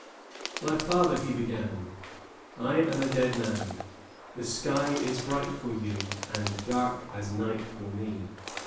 "My father," he began, "I am a dead man. The sky is bright for you, and dark as night for me."